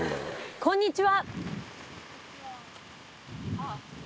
こんにちは。